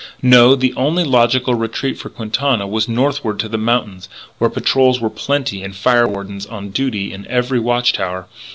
No; the only logical retreat for Quintana was northward to the mountains, where patrols were plenty and fire wardens on duty in every watch tower.